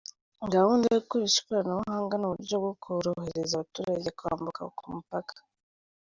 Gahundaa yo gukoresha ikoranabuhanga ni uburyo bwo korohereza abaturage kwambuka ku mupaka.